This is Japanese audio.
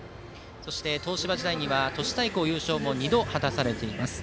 そして東芝時代には都市対抗優勝も２度果たされています。